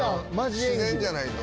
自然じゃないと。